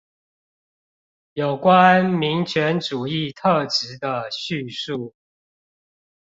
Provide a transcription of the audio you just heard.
有關民權主義特質的敘述